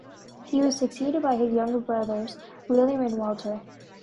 He was succeeded by his younger brothers William and Walter.